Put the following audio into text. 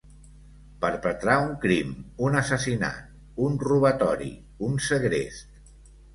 Perpetrar un crim, un assassinat, un robatori, un segrest.